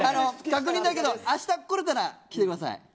確認だけど、あしたこれたら来てください。